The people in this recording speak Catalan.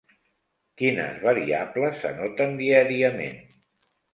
Quines variables s'anoten diàriament?